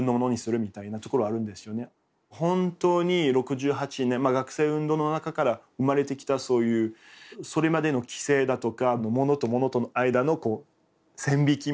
本当に６８年学生運動の中から生まれてきたそういうそれまでの既成だとか物と物との間の線引きみたいな。